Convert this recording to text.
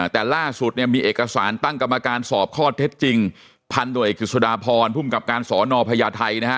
แต่ล่าสุดเนี่ยมีเอกสารตั้งกรรมการสอบข้อเท็จจริงพันโดยเอกฤษฎาพรภูมิกับการสอนอพญาไทยนะฮะ